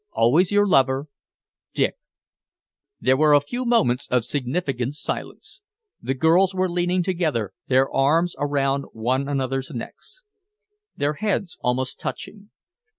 Always your lover, DICK. There were a few moments of significant silence. The girls were leaning together, their arms around one another's necks, their heads almost touching.